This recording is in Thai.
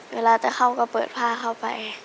เวลาจะเข้าก็เปิดผ้าเข้าไป